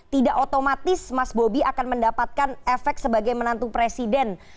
tidak otomatis mas bobi akan mendapatkan efek sebagai menantu presiden